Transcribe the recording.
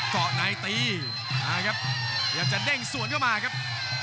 เกาะในตีมาครับพยายามจะเด้งสวนเข้ามาครับ